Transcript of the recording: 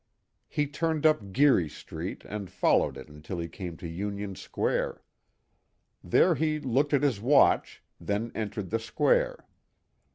He turned up Geary street and followed it until he came to Union square. There he looked at his watch, then entered the square.